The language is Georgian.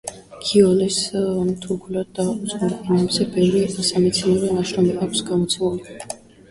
გიოლეს თურქულად და უცხოურ ენებზე ბევრი სამეცნიერო ნაშრომი აქვს გამოცემული.